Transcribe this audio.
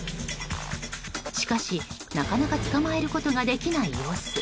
しかし、なかなか捕まえることができない様子。